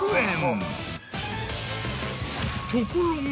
ところが。